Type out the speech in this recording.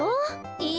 え！